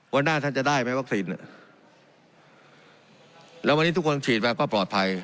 วันหน้าท่านจะได้ไหมวัคซีนแล้ววันนี้ทุกคนฉีดมาก็ปลอดภัย